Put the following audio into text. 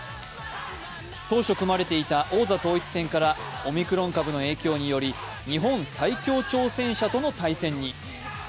当初組まれていた王座統一戦からオミクロン株の影響により日本最強挑戦者との対戦に。